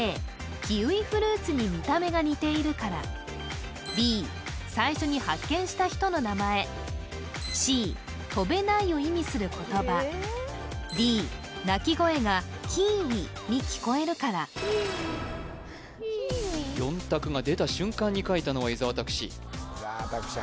キウイフルーツに見た目が似ているからＢ最初に発見した人の名前Ｃ「飛べない」を意味する言葉Ｄ鳴き声が「キーウィ」に聞こえるからのは伊沢拓司拓司